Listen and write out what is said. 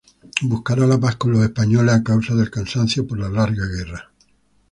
Buscará la paz con los españoles a causa del cansancio por la larga guerra.